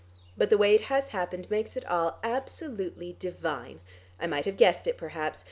But the way it has happened makes it all absolutely divine. I might have guessed it perhaps.